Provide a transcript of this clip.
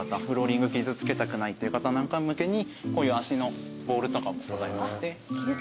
フローリング傷つけたくないっていう方なんか向けにこういう脚のボールとかもございまして。